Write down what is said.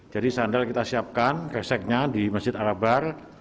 jadi sandal kita siapkan reseknya di masjid al akbar